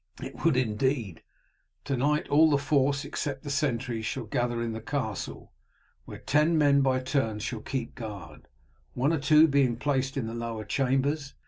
"It would indeed. To night all the force except the sentries shall gather in the castle, where ten men by turns shall keep guard, one or two being placed in the lower chambers.